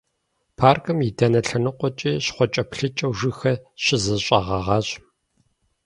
Паркым и дэнэ лъэныкъуэкӀи щхъуэкӀэплъыкӀэу жыгхэр щызэщӀэгъэгъащ.